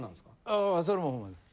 あそれもほんまです。